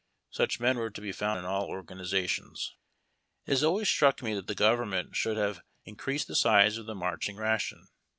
Such men were to be found in all organi zations. It has always struck me that the government should have increased the size; of the marching ration.